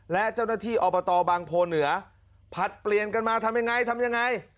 และเจ้าหน้าที่อบตบางโพเหนือผลัดเปลี่ยนกันมาทำยังไงทำยังไง